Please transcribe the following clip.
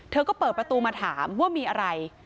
เธอก็เปิดประตูมาถามว่ามีอะไร